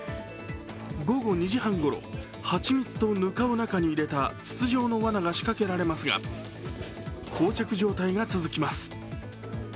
午後２時半ごろ蜂蜜とぬかを中に入れた筒状のわなが仕掛けられますがこう着状態が続きます。